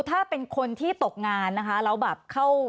สมมุติถ้าเป็นคนที่ตกงานนะคะ